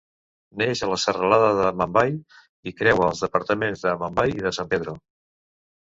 Neix a la serralada d'Amambay i creua els departaments d'Amambay i de San Pedro.